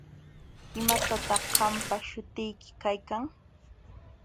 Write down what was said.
¿Imataq qampa śhutiyki kaykan?